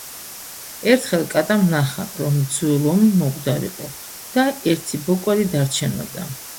ერთხელ კატამ ნახა, რომ ძუ ლომი მომკვდარიყო და ერთი ბოკვერი დარჩენოდა.